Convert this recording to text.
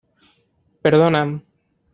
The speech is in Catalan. Perdona'm.